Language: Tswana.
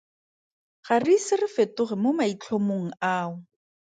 Ga re ise re fetoge mo maitlhomong ao.